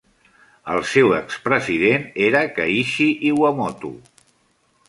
El seu expresident era Keiichi Iwamoto.